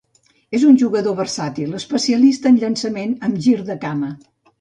És un jugador versàtil, especialista en llançament amb gir de cama.